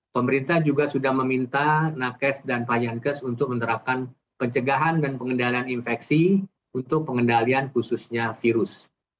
pemerintah juga sudah meminta nakes dan payankes untuk menerapkan pencegahan dan pengendalian infeksi untuk pengendalian khususnya virus